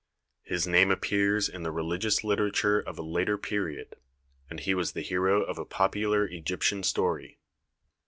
His name appears in the religious literature of a later period, and he was the hero of a popular Egyptian story.